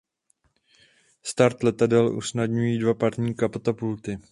Start letadel usnadňují dva parní katapulty.